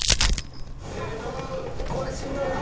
これしんどいわ！